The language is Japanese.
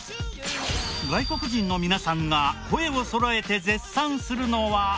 外国人の皆さんが声をそろえて絶賛するのは。